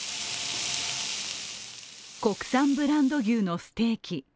国産ブランド牛のステーキ